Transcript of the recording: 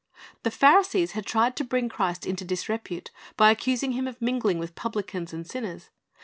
The Pharisees had tried to bring Christ into disrepute by accusing Him of mingling with publicans and sinners.